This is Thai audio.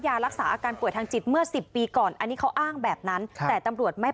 อยากจะถามว่าเหตุที่เขาทำเช่นนี้